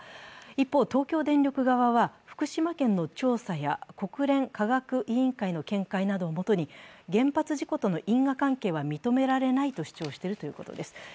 一方、東京電力側は福島県の調査や国連科学委員会の見解などをもとに原発事故との因果関係は認められないと主張しているということです。